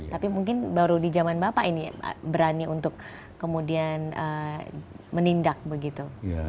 tapi mungkin baru di zaman bapak ini berani untuk kemudian menindak begitu